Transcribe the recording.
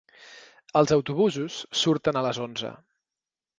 Els autobusos surten a les onze.